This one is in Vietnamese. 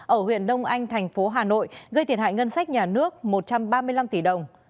ở huyện đông anh thành phố hà nội gây thiệt hại ngân sách nhà nước một trăm ba mươi năm tỷ đồng